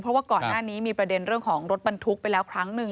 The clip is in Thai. เพราะว่าก่อนหน้านี้มีประเด็นเรื่องของรถบรรทุกไปแล้วครั้งหนึ่ง